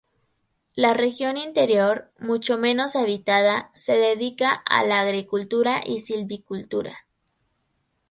La región interior, mucho menos habitada, se dedica a la agricultura y silvicultura.